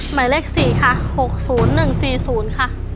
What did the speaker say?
หมายเลข๔ค่ะ๖๐๑๔๐ค่ะ